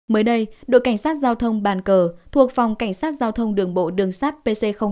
mới đây đội cảnh sát giao thông bàn cờ thuộc phòng cảnh sát giao thông đường bộ đường sát pc một